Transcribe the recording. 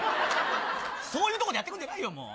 そういうところでやってくるんじゃないよ、もう。